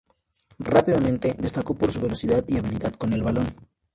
Rápidamente, destacó por su velocidad y habilidad con el balón.